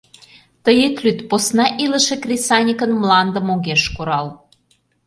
Тый ит лӱд: посна илыше кресаньыкын мландым огеш курал.